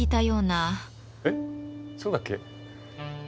えっそうだっけ？